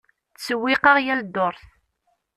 Ttsewwiqeɣ yal ddurt.